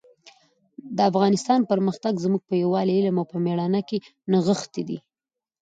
د افغانستان پرمختګ زموږ په یووالي، علم او مېړانه کې نغښتی دی.